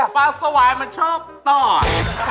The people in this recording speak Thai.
ปลาสวายมันชอบต่อย